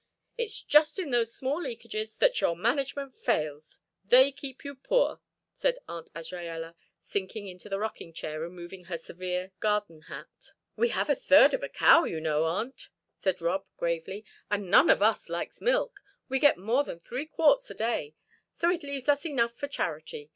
It's just in those small leakages that your management fails they keep you poor," said Aunt Azraella, sinking into the rocking chair and removing her severe garden hat. "We have a third of a cow, you know, aunt," said Rob, gravely, "and none of us likes milk. We get more than three quarts a day, so it leaves us enough for charity.